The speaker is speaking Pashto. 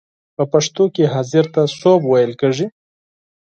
په پښتو کې حاضر ته سوب ویل کیږی.